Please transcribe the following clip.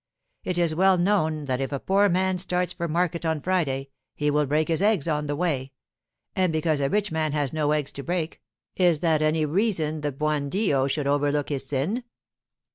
It is well known that if a poor man starts for market on Friday, he will break his eggs on the way; and because a rich man has no eggs to break, is that any reason the buon Dio should overlook his sin?